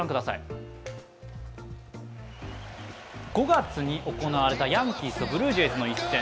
５月に行われたヤンキースとブルージェイズとの一戦。